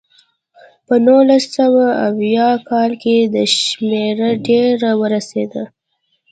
په نولس سوه اویا کال کې دا شمېره ډېره ورسېده.